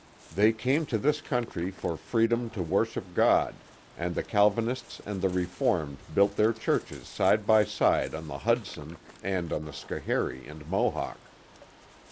They came to this country for freedom to worship God, and the Calvinists and the Reformed built their churches side by side on the Hudson and on the Schoharie and Mohawk.